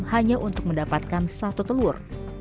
hanya untuk mendapatkan satu telur